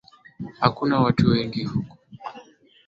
Hakuna watu wengi huku